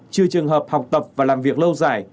trừ trường hợp học tập và làm việc lâu dài